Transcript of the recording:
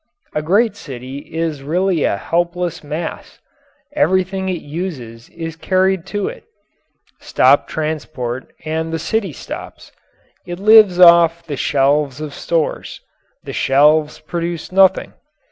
A great city is really a helpless mass. Everything it uses is carried to it. Stop transport and the city stops. It lives off the shelves of stores. The shelves produce nothing.